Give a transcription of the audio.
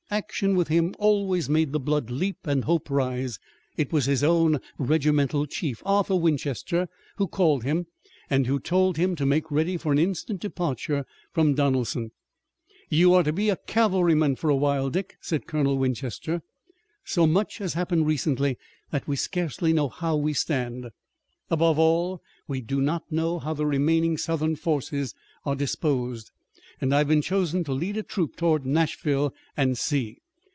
Action, with him, always made the blood leap and hope rise. It was his own regimental chief, Arthur Winchester, who called him, and who told him to make ready for an instant departure from Donelson. "You are to be a cavalryman for a while, Dick," said Colonel Winchester. "So much has happened recently that we scarcely know how we stand. Above all, we do not know how the remaining Southern forces are disposed, and I have been chosen to lead a troop toward Nashville and see.